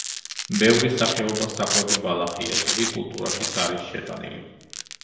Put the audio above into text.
ბევრი სახეობა საკვები ბალახია, ზოგი კულტურაშიც არის შეტანილი.